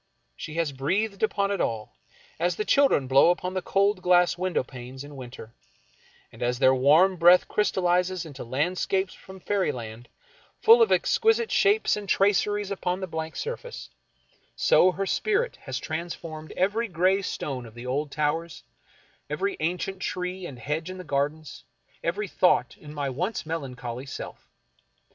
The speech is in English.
She has breathed upon it all, as the children blow upon the cold glass window panes in winter ; and as their warm breath crystallizes into landscapes from fairyland, full of exquisite shapes and traceries upon 45 American Mystery Stories the blank surface, so her spirit has transformed every gray stone of the old towers, every ancient tree and hedge in the gardens, every thought in my once melancholy self.